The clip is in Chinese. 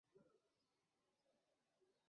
疏花变豆菜为伞形科变豆菜属的植物。